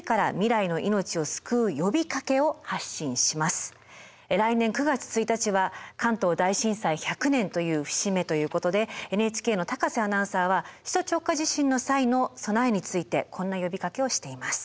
来年９月１日は関東大震災１００年という節目ということでＮＨＫの高瀬アナウンサーは首都直下地震の際の備えについてこんな呼びかけをしています。